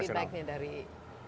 cukup banyak feedbacknya dari